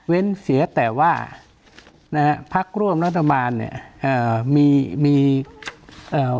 เสียแต่ว่านะฮะพักร่วมรัฐบาลเนี้ยเอ่อมีมีเอ่อ